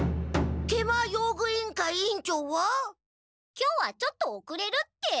今日はちょっとおくれるって。